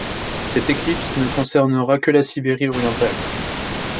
Cette éclipse ne concernera que la Sibérie orientale.